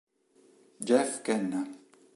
Jeff Kenna